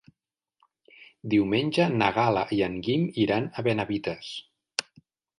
Diumenge na Gal·la i en Guim iran a Benavites.